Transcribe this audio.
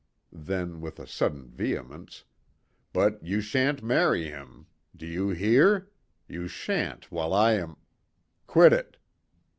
Then with a sudden vehemence. "But you shan't marry him. Do you hear? You shan't while I am " "Quit it!"